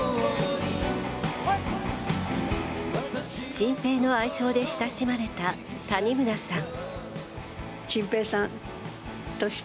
チンペイの愛称で親しまれた谷村さん。